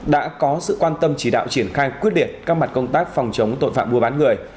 đã có sự quan tâm chỉ đạo triển khai quyết liệt các mặt công tác phòng chống tội phạm mua bán người